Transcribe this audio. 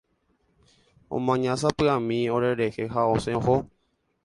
Omañasapyʼami orerehe ha osẽ oho.